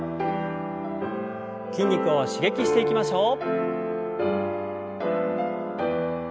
筋肉を刺激していきましょう。